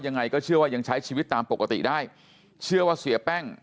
ยังไงก็เชื่อว่ายังใช้ชีวิตตามปกติได้เชื่อว่าเสียแป้ง